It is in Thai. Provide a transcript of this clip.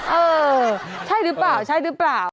เออใช่หรือเปล่า